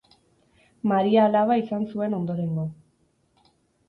Maria alaba izan zuen ondorengo.